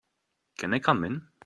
Can I come in?